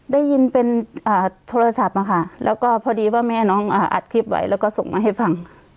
ได้ยินเป็นโทรศัพท์มาค่ะแล้วก็พอดีว่าแม่น้องอัดคลิปไว้แล้วก็ส่งมาให้ฟัง